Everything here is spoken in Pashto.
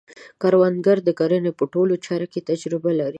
کروندګر د کرنې په ټولو چارو کې تجربه لري